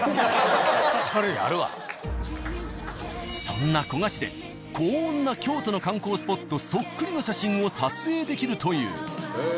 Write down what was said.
そんな古河市でこんな京都の観光スポットそっくりの写真を撮影できるという。